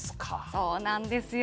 そうなんですよ。